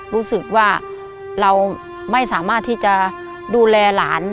รู้สึกว่าเราไม่สามารถที่จะดูแลหลาน